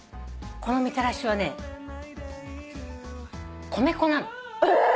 このみたらしはね米粉なの。え！？